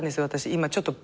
今ちょっと。